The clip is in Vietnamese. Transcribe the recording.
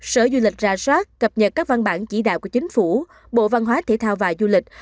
sở du lịch ra soát cập nhật các văn bản chỉ đạo của chính phủ bộ văn hóa thể thao và du lịch